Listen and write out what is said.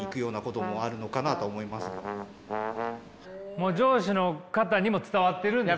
もう上司の方にも伝わってるんですね。